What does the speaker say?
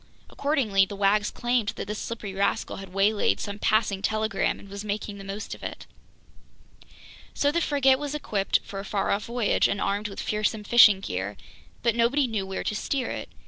Accordingly, the wags claimed that this slippery rascal had waylaid some passing telegram and was making the most of it. So the frigate was equipped for a far off voyage and armed with fearsome fishing gear, but nobody knew where to steer it.